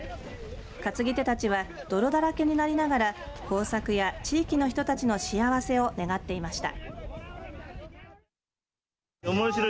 担ぎ手たちは泥だらけになりながら豊作や地域の人たちの幸せを願っていました。